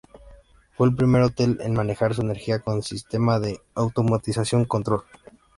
Fue el primer hotel en manejar su energía con el sistema de automatización 'Control'.